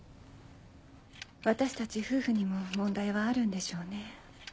私たち夫婦にも問題はあるんでしょうね。